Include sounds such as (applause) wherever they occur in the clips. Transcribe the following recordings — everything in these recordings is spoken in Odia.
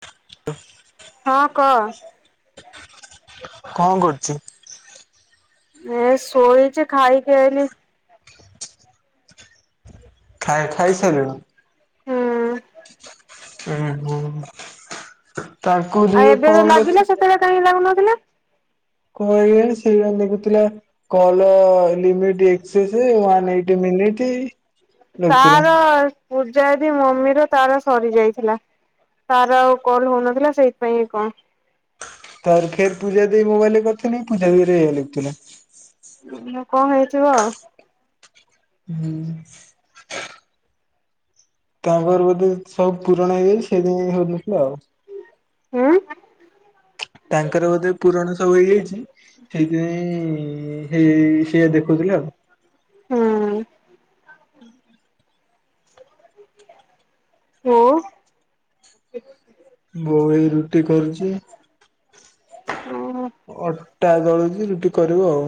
(inaudible) ହଁ କହ। କଣ କରୁଚି? ଏ ଶୋଇଛି ଖାଇକି ଆଇଲି। ଖାଇ ଖାଇ ଖାଇସାଇଲୁଣୁ? ହୁଁ ଉଁ ହୁଁ ତାକୁ ଆଉ ଦିଏ ଏବେ ତ କଣ (unintelligible) (unintelligible) କାହିଁକି ଲାଗୁନଥିଲା? କଣ ଇଆଡେ ସିଆଡେ (unintelligible) କଲ ଲିମିଟି ଏକ୍ସେସେସେ ୱାନ ଏଇଟି ମିନିଟି ତାର ପୂଜା ଦିଦି ମମିର ତାର ସରି ଯାଇଥିଲା। ତାର ଆଉ କଲ ହଉନଥିଲା ସେଇଥିପାଇଁ କି କଣ? ତାର ଫେର ପୂଜା ଦେଇ ମୋବାଇଲରେ କରିଥିନି ପୂଜାଦେଇର ଏଇଆ ଲେଖୁଥିଲା। (unintelligible) କଣ ହେଇଥିବ ଆଉ? ହୁଁ। ତାଙ୍କର ବୋଧେ ସବୁ ପୁରୁଣ ହେଇଯାଇଛି ସେଇଥିପାଇଁ ହେଉନଥିଲା ଆଉ। ହୁଁ ତାଙ୍କର ବୋଧେ ପୁରୁଣ ସବୁ ହେଇଯାଇଛି ସେଇଥିପାଇଁ ହେଇ (unintelligible) ସିଏ ଦେଖଉଥିଲେ ଆଉ। ହଁ। ବୋଉ? ବହୁ ଏଇ ରୁଟି କରୁଛି, ହଉ ଅ ଟା ଦଳୁଛି ରୁଟି କରିବୁ ଆଉ।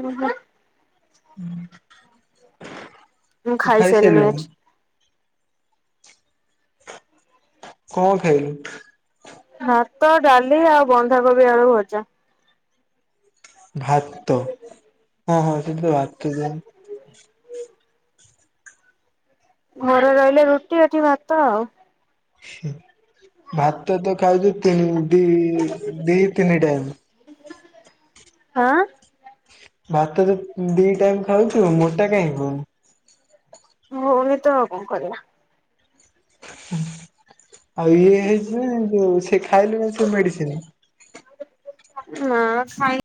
ଓ ହୋ। ଉଁ। ମୁଁ ଖାଇସାଇଲିଣି ଆଜି। କଣ ଖାଇଲୁ? ଭାତ, ଡାଲି ଆଉ ବନ୍ଧାକୋବି ଆଳୁ ଭଜା। ଭାତ ହଁ ହଁ ସେ ତ ଭାତ ଦିଅନ୍ତି। ଘରେ ରହିଲେ ରୁଟି ଏଠି ଭାତ ଆଉ। ହୁଁ ଭାତ ତ ଖାଉଛୁ ତିନି ଦି ଦି ତିନି ଟାଇମ୍। ଆଁ ଭାତ ତ ଦି ଟାଇମ ଖାଉଛୁ ମୋଟା କାଇଁ ହଉନୁ? ହଉନି ତ ଆଉ କଣ କରିବା। ଆଉ ଇଏ ହେଇଛି ଯୋଉ ସେ ଖାଇଲୁ ନା ସେ ମେଡିସିନ? ନା ଖାଇ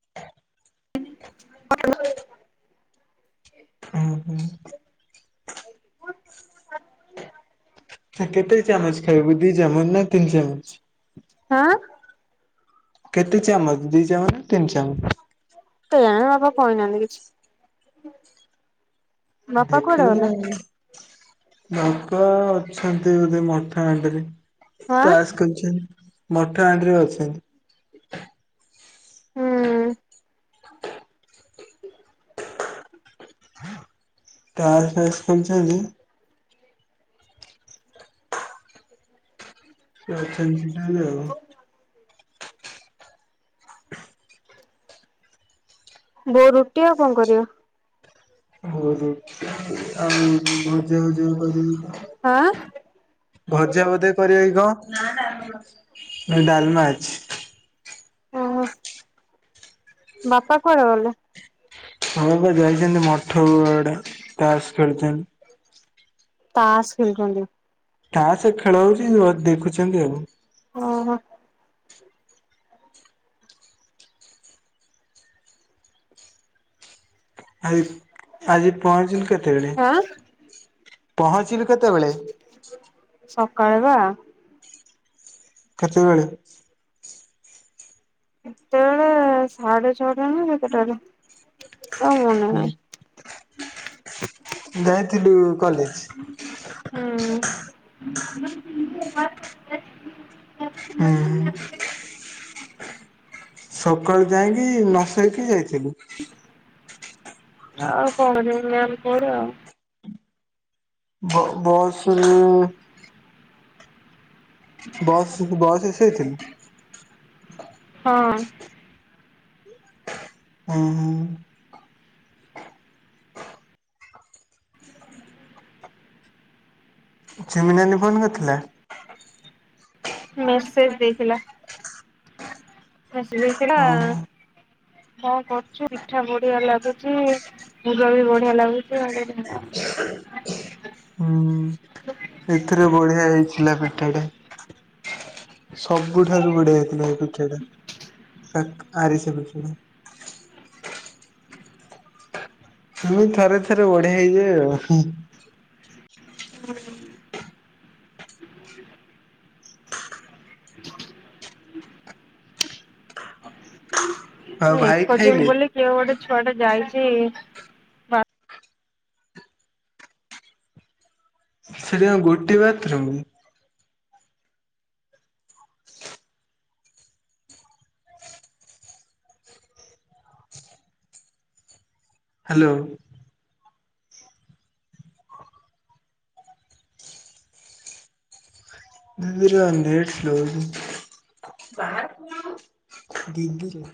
ହୁଁ ହୁଁ ସେ କେତେ ଚାମଚ ଖାଇବୁ ଦି ଚାମୁଚ ନା ତିନି ଚାମୁଚ? ଆଁ କେତେ ଚାମଚ ଦି ଚାମଚ ନା ତିନି ଚାମଚ? କେଜାଣେ ବାପ କହିନାହାନ୍ତି କିଛି। ବାପା କୁଆଡେ ଦେଖିବୁ ନା ଗଲେ? ଆଉ ବାପା ଅଛନ୍ତି ବୋଧେ ମଠ ଆଗରେ। ଆଁ ତାସ ଖେଳୁଛନ୍ତି, ମଠା ଆଗରେ ଅଛନ୍ତି। ହୁଁ ତାସ ପାସ ଖେଳୁଛନ୍ତି। କିଏ ଅଛନ୍ତି ତା ହେଲେ ଆଉ। ବୋଉ ରୁଟି ଆଉ କଣ କରିବ। ବୋଉ ରୁଟି ଆଉ ଭଜା ଭଜି କଁ କରିିବ। ହାଁ। ଭଜା ବୋଧେ କରିବ କି କଁ ନା ଡାଲମା ଅଛି। ଓ ହୋ। ବାପା କୁଆଡେ ଗଲେ? ବା ପା କୁଆଡେ ଯାଇଛନ୍ତି ମଠ ଆଡେ ତାସ ଖେଳୁଛନ୍ତି। ତାସ୍ ଖେଳୁଛନ୍ତି। ତାସେ ଖେଳ ହଉଛି ଦେଖୁଛନ୍ତି ଆଉ। ଓ ହୋ। ଆଜି ଆଜି ପହଞ୍ଚିଲୁ କେତେବେଳେ ଆଁ ପହଞ୍ଚିଲୁ କେତେବେଳେ? ସକାଳେ ବା। କେତେବେଳେ? କେତେବେଳେ ସାଢେ ଛଅଟା ନା କେତେଟାରେ। ଆଉ ମନେ ହୁଁ ନାହିଁ। ଯାଇଥିଲୁ କଲେଜ। ହୁଁ। ହୁଁ ହୁଁ। ସକାଳୁ ଯାଇଁକି ନ ସୋଇକି ଯାଇଥିଲୁ। ଆଉ କଁ କରିବି ମ୍ୟାମ କହିଲେ ଆଉ। ବ ବସ୍ ରୁ। ବସ୍ ବସ୍ ରେ ସୋଇଥିଲୁ? ହଁ। ଉଁ ହୁଁ। ଝିମିିନାନୀ ଫୋନ କରିଥିଲା। ମେସେଜ ଦେଇଥିଲା। ମେସେଜ ଦେଇଥିଲା ଓହୋ କଁ କରୁଛୁ ପିଠା ବଢ଼ିଆ ଲାଗୁଛି। ମୁଗ ବି ବଢ଼ିଆ ଲାଗୁଛି ମୁଁ କହିଲି ହଁ। ହୁଁ। ଏଥିରେ ବଢ଼ିଆ ହେଇଥିଲା ପିଠା ଟା। ସବୁଠାରୁ ବଢି଼ଆ ହେଇଥିଲା ଏ ପିଠା ଟା କାକ୍ ଆରିସା ପିଠା ଟା। ଏମିତି ଥରେ ଥରେ ବଢ଼ିଆ ହେଇଯାଏ ଆଉ ହୁଁ। ହୁଁ। ଆଉ ମୁଁ ଭାଇ ଏକ ଯିମି ଖାଇଲେ? ବୋଲି କିଏ ଗୋଟେ ଛୁଆଟେ ଯାଇଛି। ବା ସେଠି କଁ ଗୋଟେ ବାଥରୁମ। ହାଲୋ। ଦିଦି ର ବା ନେଟ୍ ସ୍ଲୋ ହୋଉଛି ଦିଦି ର।